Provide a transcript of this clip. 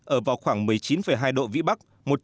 ở vào khoảng một mươi chín hai độ vĩ bắc